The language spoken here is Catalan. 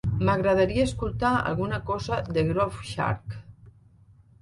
M'agradaria escoltar alguna cosa de Groove Shark